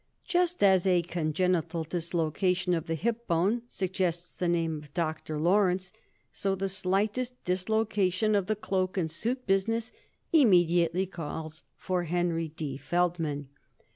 Just as a congenital dislocation of the hipbone suggests the name of Doctor Lorenz, so the slightest dislocation of the cloak and suit business immediately calls for Henry D. Feldman.